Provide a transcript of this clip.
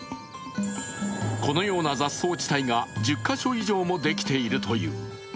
このような雑草地帯が１０か所以上もできているという。